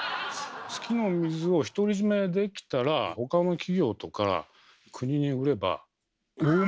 月の水を独り占めできたら他の企業とか国に売ればうわ！